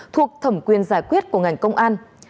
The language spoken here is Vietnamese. thuộc thẩm quyền giải quyết của ngành công an